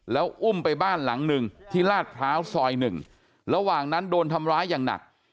แล้วอุ้มไปบ้านหลังหนึ่งที่ลาดพร้าวซอย๑ระหว่างนั้นโดนทำร้ายอย่างหนัก